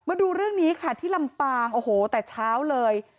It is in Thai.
มาดูเรื่องนี้ค่ะที่ลำปางโอ้โหแต่เช้าเลย